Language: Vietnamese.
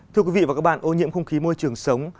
thưa quý vị và các bạn ô nhiễm không khí môi trường sống